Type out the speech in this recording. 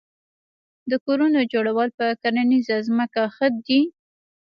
د کورونو جوړول په کرنیزه ځمکه ښه دي؟